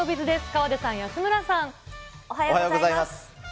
河出さん、おはようございます。